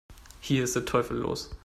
Hier ist der Teufel los!